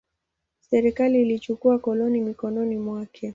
Serikali ilichukua koloni mikononi mwake.